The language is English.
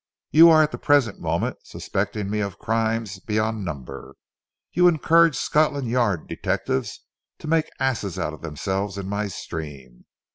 You are at the present moment suspecting me of crimes beyond number. You encourage Scotland Yard detectives to make asses of themselves in my stream.